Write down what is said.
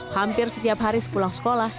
hampir setiap hari sepulang sekolah